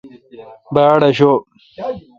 باڑاشوب۔